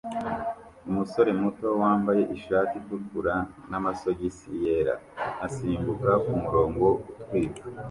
Umusore muto wambaye ishati itukura namasogisi yera asimbuka kumurongo utwika